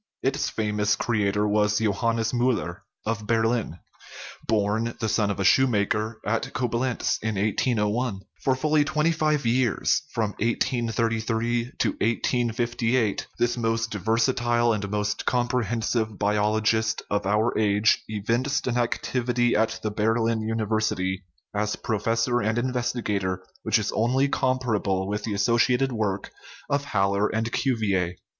Its famous cre ator was Johannes M tiller, of Berlin (born, the son of a shoemaker, at Coblentz, in 1801). For fully twenty five years from 1833 to 1858 this most versatile and most comprehensive biologist of our age evinced an ac tivity at the Berlin University, as professor and in vestigator, which is only comparable with the asso ciated work of Haller and Cuvier.